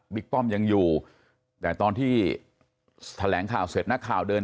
คุณหมอชนหน้าเนี่ยคุณหมอชนหน้าเนี่ย